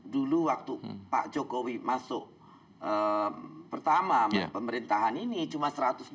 dulu waktu pak jokowi masuk pertama pemerintahan ini cuma satu ratus dua puluh